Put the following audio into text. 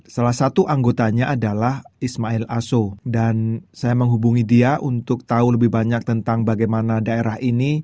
salah satu anggotanya adalah ismail aso dan saya menghubungi dia untuk tahu lebih banyak tentang bagaimana daerah ini